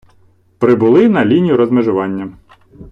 прибули на лінію розмежування